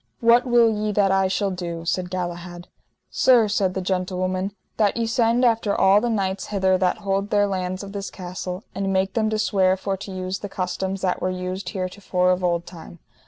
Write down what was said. What will ye that I shall do? said Galahad. Sir, said the gentlewoman, that ye send after all the knights hither that hold their lands of this castle, and make them to swear for to use the customs that were used heretofore of old time.